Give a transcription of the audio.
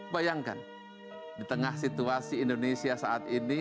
bayangkan di tengah situasi indonesia saat ini